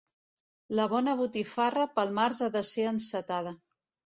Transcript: La bona botifarra pel març ha de ser encetada.